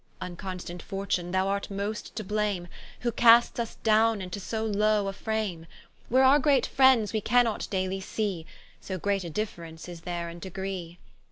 Vnconstant Fortune, thou art most too blame, Who casts vs downe into so lowe a frame: Where our great friends we cannot dayly see, So great a diffrence is there in degree.